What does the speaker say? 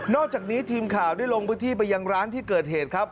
อกจากนี้ทีมข่าวได้ลงพื้นที่ไปยังร้านที่เกิดเหตุครับ